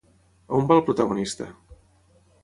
On va el protagonista?